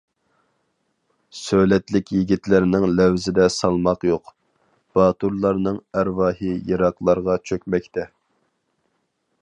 سۆلەتلىك يىگىتلەرنىڭ لەۋزىدە سالماق يوق، باتۇرلارنىڭ ئەرۋاھى يىراقلارغا كۆچمەكتە.